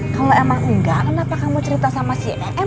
kalo emang enggak kenapa kamu cerita sama si em